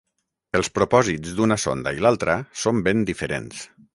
Els propòsits d’una sonda i l’altra són ben diferents.